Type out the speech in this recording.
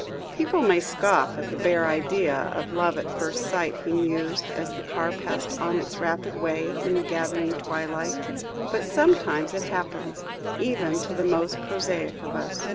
"People may scoff at the bare idea of love at first sight," he mused, as the car passed on its rapid way in the gathering twilight, "but sometimes it happens even to the most prosaic of us."